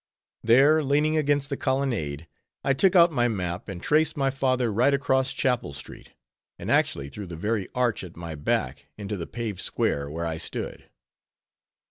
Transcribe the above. There, leaning against the colonnade, I took out my map, and traced my father right across Chapel street, and actually through the very arch at my back, into the paved square where I stood.